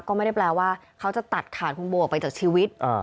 ก็ไม่ได้แปลว่าเขาจะตัดขาดคุณโบออกไปจากชีวิต